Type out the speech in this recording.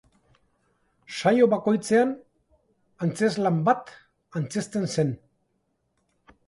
Saio bakoitzean antzezlan bat antzezten zen.